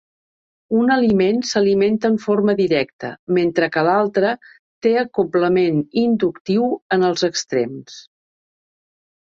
Un element s'alimenta en forma directa, mentre que l'altre té acoblament inductiu en els extrems.